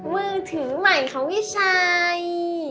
มือถือใหม่ของพี่ชัย